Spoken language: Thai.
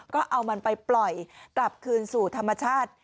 ก็เอามันไปปล่อยกลับคืนสู่ธรรมชาติ